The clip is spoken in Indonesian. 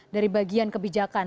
dari bagian kebijakan